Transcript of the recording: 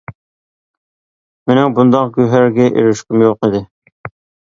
مېنىڭ بۇنداق گۆھەرگە ئېرىشكۈم يوق ئىدى.